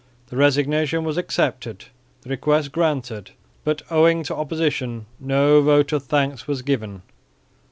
The resignation was accepted, the request granted, but owing to opposition no vote of thanks was given.